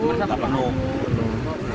bisa tak penuh